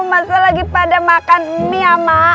masa lagi pada makan mie sama